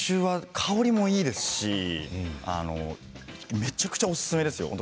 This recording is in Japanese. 香りもいいですしめちゃくちゃおすすめですよ。